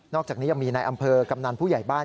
อกจากนี้ยังมีในอำเภอกำนันผู้ใหญ่บ้าน